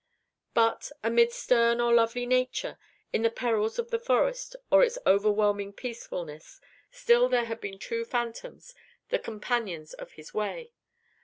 But, amid stern or lovely nature, in the perils of the forest, or its overwhelming peacefulness, still there had been two phantoms, the companions of his way.